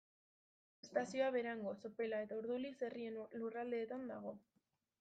Estazioa Berango, Sopela eta Urduliz herrien lurraldetan dago.